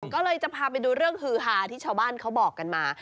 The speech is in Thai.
ก็เลยจะพาไปดูเรื่องฮือฮาที่ชาวบ้านเขาบอกกันมา